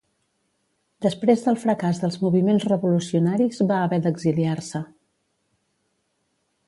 Després del fracàs dels moviments revolucionaris va haver d'exiliar-se.